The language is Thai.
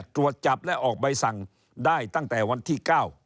ตรวจจับและออกใบสั่งได้ตั้งแต่วันที่๙